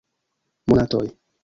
Monatoj!